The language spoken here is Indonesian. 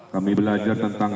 kami belajar tentang